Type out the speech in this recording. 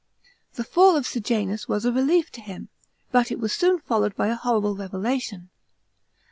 The fall of Sejanus was a relief to him, but it was soon followed by a horrible revelation.